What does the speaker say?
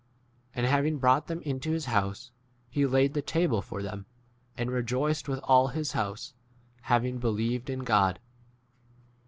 And having brought them into his house he laid the table [for them], and re joiced with all his house,* having 35 believed in God.